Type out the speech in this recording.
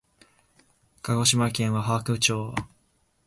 鹿児島県和泊町